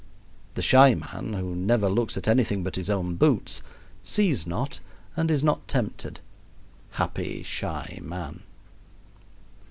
The shy man, who never looks at anything but his own boots, sees not and is not tempted. Happy shy man!